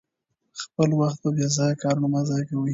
خپل وخت په بې ځایه کارونو مه ضایع کوئ.